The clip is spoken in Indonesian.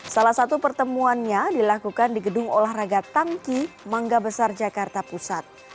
salah satu pertemuannya dilakukan di gedung olahraga tangki mangga besar jakarta pusat